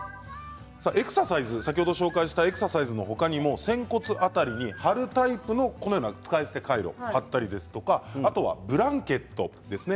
先ほど、ご紹介したエクササイズの他にも仙骨辺りに貼るタイプの使い捨てカイロを貼ったりあとはブランケットですね